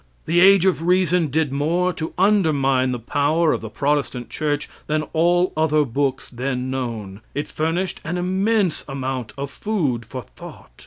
The "Age of Reason" did more to undermine the power of the Protestant church than all other books then known. It furnished an immense amount of food for thought.